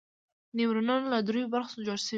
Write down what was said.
نیورونونه له دریو برخو څخه جوړ شوي دي.